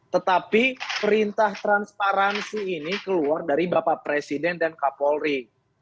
tetapi perintah transparansi ini keluar dari bapak presiden dan kapolri